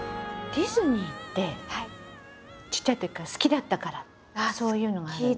ディズニーってちっちゃいときから好きだったからそういうのはあるんですか？